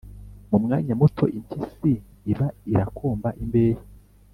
mu mwanya muto impyisi iba irakomba imbehe